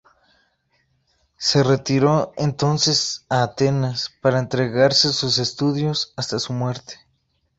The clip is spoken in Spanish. Se retiró entonces a Atenas para entregarse a sus estudios, hasta su muerte.